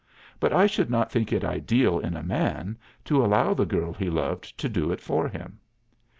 But I should not think it ideal in a man to allow the girl he loved to do it for him.